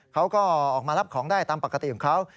เขาก็ออกมารับของได้ตามปกติของเขา